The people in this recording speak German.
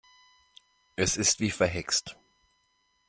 Es ist wie verhext.